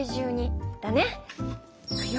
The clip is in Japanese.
いくよ。